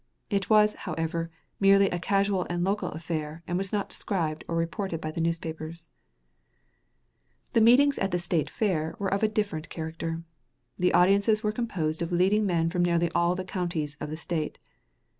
It was, however, merely a casual and local affair and was not described or reported by the newspapers. The meetings at the State Fair were of a different character. The audiences were composed of leading men from nearly all the counties of the State.